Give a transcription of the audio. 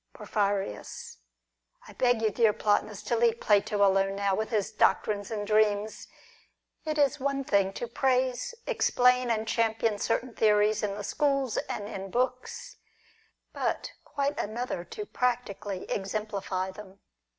PorphyriiLs. I beg you, dear Plotinus, to leave Plato alone now, with his doctrines and dreams. It is one thing to praise, explain, and champion certain theories in the schools and in books, but quite another to prac tically exemplify them.